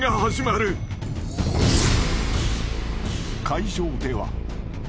［会場では］